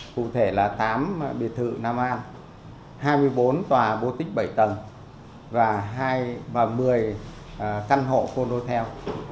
cụ thể là tám biệt thự nam an hai mươi bốn tòa bô tích bảy tầng và một mươi căn hộ condotel